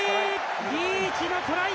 リーチがトライ。